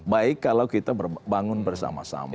baik kalau kita bangun bersama sama